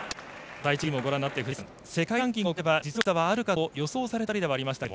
第１ゲームをご覧になって藤井さん世界ランキングを比べると実力差があると予想された２人ではありましたが。